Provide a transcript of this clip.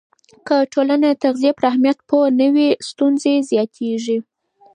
که ټولنه د تغذیې پر اهمیت پوهه نه وي، ستونزې زیاتېږي.